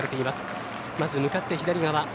まず向かって左側